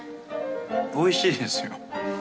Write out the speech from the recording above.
おいしいですよ。